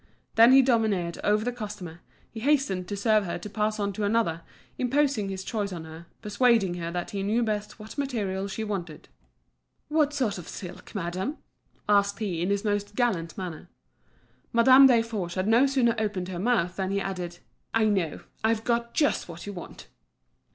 Then he domineered over the customer, he hastened to serve her to pass on to another, imposing his choice on her, persuading her that he knew best what material she wanted. "What sort of silk, madame?" asked he in his most gallant manner. Madame Desforges had no sooner opened her mouth than he added: "I know, I've got just what you want."